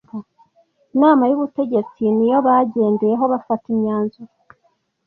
Inama y Ubutegetsi niyo bagendeyeho bafata imyanzuro